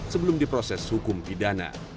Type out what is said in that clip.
sebelum diproses hukum pidana